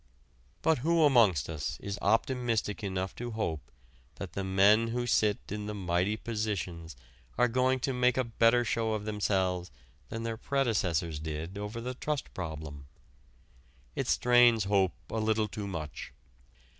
But who amongst us is optimistic enough to hope that the men who sit in the mighty positions are going to make a better show of themselves than their predecessors did over the trust problem? It strains hope a little too much.